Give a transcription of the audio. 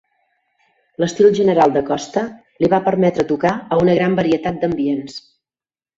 L'estil general de Costa li va permetre tocar a una gran varietat d'ambients.